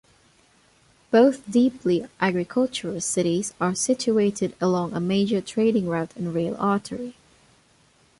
Both deeply agricultural cities are situated along a major trading route and rail artery.